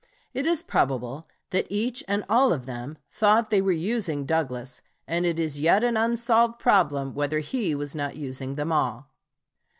It is probable that each and all of them thought they were using Douglas, and it is yet an unsolved problem whether he was not using them all."